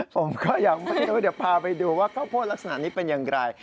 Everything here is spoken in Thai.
ผมก็ยังไม่รู้เดี๋ยวพาไปดูว่าข้าวโพดลักษณะนี้เป็นอย่างไร